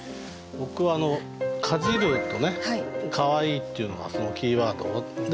僕はかじるとかわいいっていうのはキーワードでもとに。